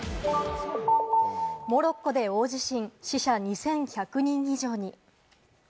モロッコで大地震、死者２１００人以上に。